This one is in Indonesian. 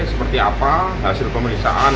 seperti apa hasil pemeriksaan